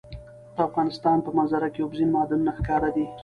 د افغانستان په منظره کې اوبزین معدنونه ښکاره ده.